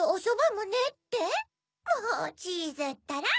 もうチーズったら。